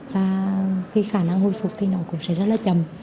và khi khả năng hồi phục thì nó cũng sẽ rất là chầm